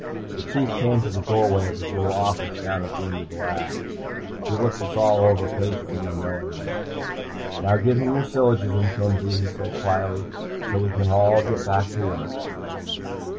The Chief came to the doorway of his little office down at the end of the lab. He looked us all over patiently and knowingly. "Now give him your syllogism, Kenzie," he said quietly, "so we can all get back to work."